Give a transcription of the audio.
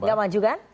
nggak maju kan